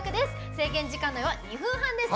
制限時間は２分半です。